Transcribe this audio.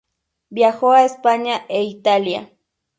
Viajó a España e Italia.